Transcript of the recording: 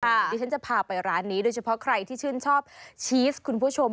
เดี๋ยวฉันจะพาไปร้านนี้โดยเฉพาะใครที่ชื่นชอบชีสคุณผู้ชม